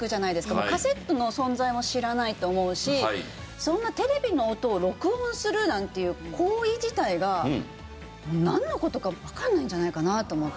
もうカセットの存在も知らないと思うしそんなテレビの音を録音するなんていう行為自体がなんの事かわかんないんじゃないかなと思って。